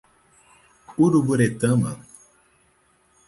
Uruburetama